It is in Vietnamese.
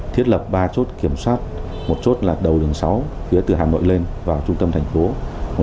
thiết lập ba chốt kiểm soát một chốt là đầu đường sáu phía từ hà nội lên vào trung tâm thành phố